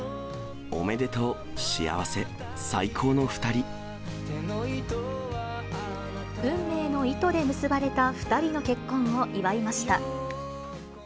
おめでとう、幸せ、最高の２運命の糸で結ばれた２人の結婚を祝いました。